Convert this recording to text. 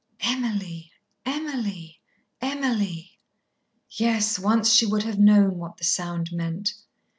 "Emily, Emily, Emily!" Yes, once she would have known what the sound meant.